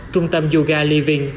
trung tâm yoga living